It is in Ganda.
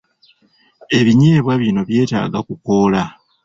Ebinyeebwa bino byetaaga kukoola.